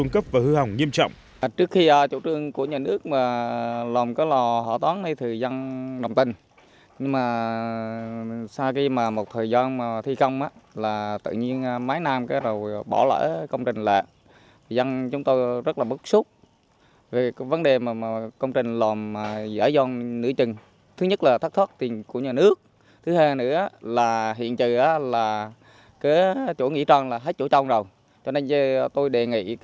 các hạng mục đã xuân cấp và hư hỏng nghiêm trọng